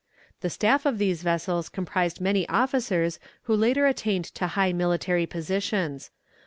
The staff of these vessels comprised many officers who later attained to high military positions.